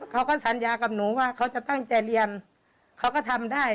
เขาก็สัญญากับหนูว่าเขาจะตั้งใจเรียนเขาก็ทำได้